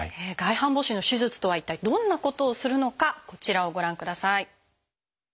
外反母趾の手術とは一体どんなことをするのかこちらをご覧ください。